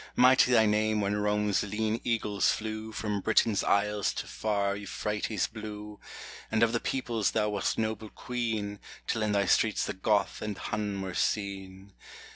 Mighty thy name when Rome's lean eagles flew From Britain's isles to far Euphrates blue; And of the peoples thou wast noble queen, Till in thy streets the Goth and Hun were seen.